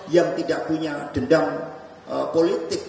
yang tidak punya dendam politik